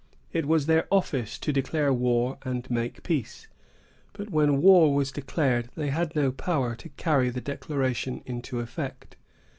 It was their office to declare war and make peace; but when war was declared, they had no power to carry the declaration into effect.